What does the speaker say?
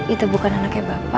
itu bukan anak yang baik banget ya